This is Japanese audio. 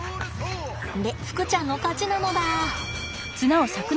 でふくちゃんの勝ちなのだ。